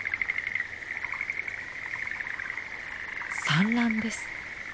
産卵です。